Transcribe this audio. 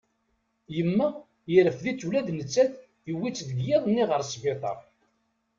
Yemmeɣ yerfed-itt ula d nettat yewwi-tt deg yiḍ-nni ɣer sbiṭar.